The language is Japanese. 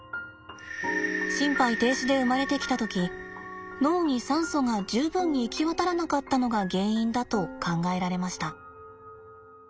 心肺停止で生まれてきた時脳に酸素が充分に行き渡らなかったのが原因だと考えられました。